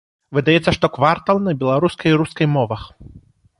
Выдаецца штоквартал на беларускай і рускай мовах.